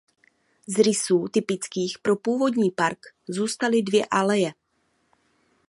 Z rysů typických pro původní park zůstaly dvě aleje.